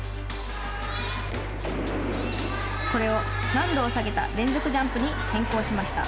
これを、難度を下げた連続ジャンプに変更しました。